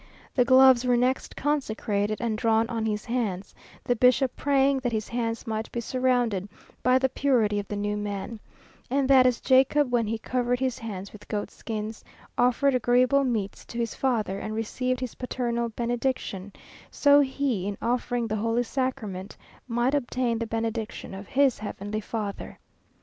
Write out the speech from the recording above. The gloves were next consecrated and drawn on his hands, the bishop praying that his hands might be surrounded by the purity of the new man; and that as Jacob, when he covered his hands with goat skins, offered agreeable meats to his father, and received his paternal benediction, so he, in offering the Holy Sacrament, might obtain the benediction of his Heavenly Father.